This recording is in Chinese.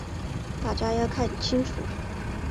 大家要看清楚。